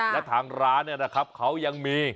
และทางร้านเนี่ยนะครับเขายังมี